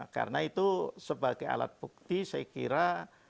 karena itu sebagai alat bukti saya kira